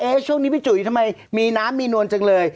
ช่วงนี้พี่จุ๋ยทำไมมีน้ำมีนวลจังเลย